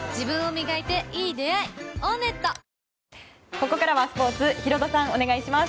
ここからはスポーツヒロドさん、お願いします。